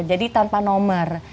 jadi tanpa nomor